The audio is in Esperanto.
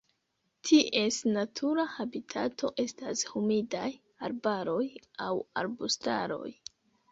Ties natura habitato estas humidaj arbaroj aŭ arbustaroj.